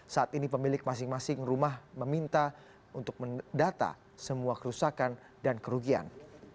saat ini pemilik masing masing rumah meminta untuk mendata semua kerusakan dan kerugian